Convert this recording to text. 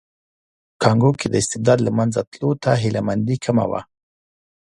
په کانګو کې د استبداد له منځه تلو ته هیله مندي کمه وه.